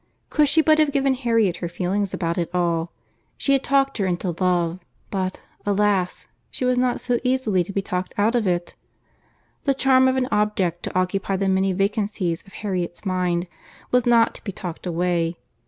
Could she but have given Harriet her feelings about it all! She had talked her into love; but, alas! she was not so easily to be talked out of it. The charm of an object to occupy the many vacancies of Harriet's mind was not to be talked away.